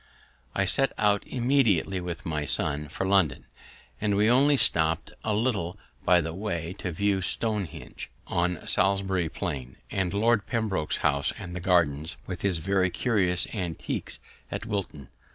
I set out immediately, with my son, for London, and we only stopt a little by the way to view Stonehenge on Salisbury Plain, and Lord Pembroke's house and gardens, with his very curious antiquities at Wilton.